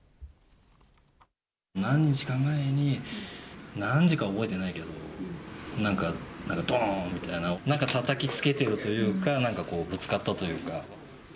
何日か前に、何時かは覚えてないけど、なんかどーんみたいな、なんかたたきつけてるというか、なんかこう、ぶつかったというか。